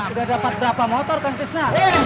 udah dapat berapa motor kang fisna